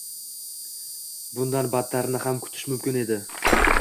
Bundan battarini ham kutish mumkin edi